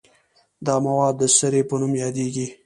دا مواد د سرې په نوم یادیږي.